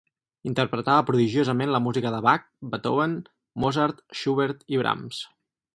Interpretava prodigiosament la música de Bach, Beethoven, Mozart, Schubert i Brahms.